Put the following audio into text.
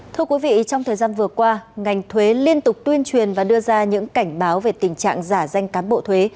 thưa quý vị trong thời gian vừa qua ngành thuế liên tục tuyên truyền và đưa ra những cảnh báo về tình trạng giả danh cán bộ thuế